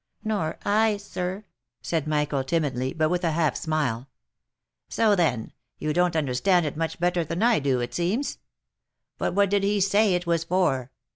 " Nor I, sir," said Michael timidly, but with half a smile. " So, then,' you don't understand it much better than I do, it seems ? But what did he say it was for?